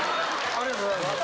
ありがとうございます。